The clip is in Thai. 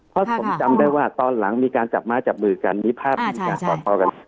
เพราะผมจำได้ว่าตอนหลังมีการจับไม้จับมือกันมีภาพมีการสอดคอกัน